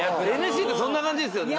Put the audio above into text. ＮＳＣってそんな感じですよね。